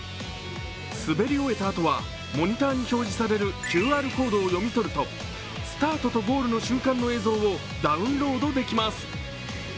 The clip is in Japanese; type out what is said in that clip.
滑り終えたあとはモニターに表示されるＱＲコードを読み取るとスタートとゴールの瞬間の映像をダウンロードできます。